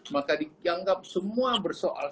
maka dianggap semua bersoal